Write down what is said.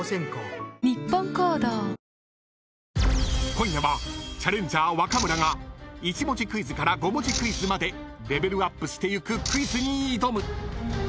［今夜はチャレンジャー若村が１文字クイズから５文字クイズまでレベルアップしていくクイズに挑む］